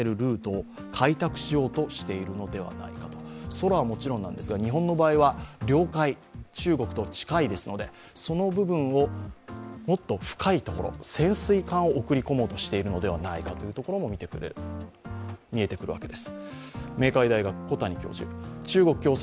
空はもちろんなんですが日本の場合は領海、中国と近いですのでその部分をもっと深いところ潜水艦を送り込もうとしているのではないかということも見えてくるわけです。